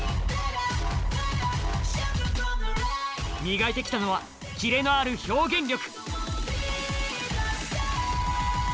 磨いて来たのはキレのある表現力